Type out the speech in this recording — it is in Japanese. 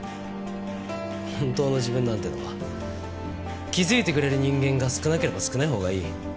本当の自分なんてのは気づいてくれる人間が少なければ少ないほうがいい。